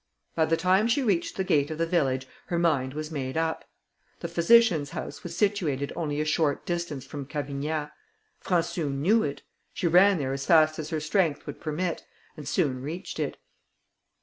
By the time she reached the gate of the village, her mind was made up. The physician's house was situated only a short distance from Cavignat. Françou knew it; she ran there as fast as her strength would permit, and soon reached it.